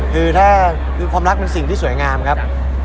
คือถ้าคือความรักเป็นสิ่งที่สวยงามครับ